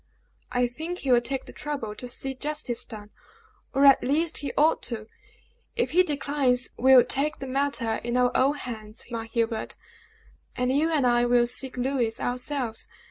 "I think he will take the trouble to see justice done, or at least he ought to. If he declines, we will take the matter in our own hands, my Hubert; and you and I will seek Louis ourselves.